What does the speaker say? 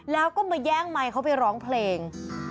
แล้วก็มาแย่งไมค์เขาไปร้องเพลง